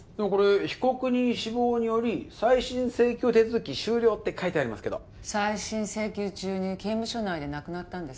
被告人死亡により再審請求手続き終了って書いてありますが再審請求中に刑務所内で亡くなったんです